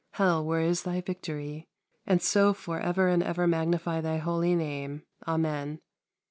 Hell, where is thy victory? and so for ever and ever magnify Thy Holy Name. Amen."